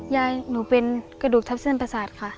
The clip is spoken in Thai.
ยายหนูเป็นกระดูกทับเส้นประสาทค่ะ